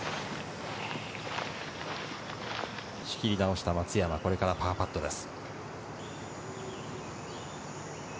仕切り直した松山、これからパーパットです。